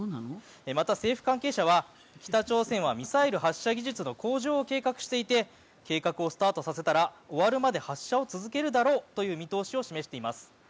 また、政府関係者は北朝鮮はミサイル発射技術の向上を計画していて計画をスタートさせたら終わるまで発射を続けるだろうとの見通しを示しています。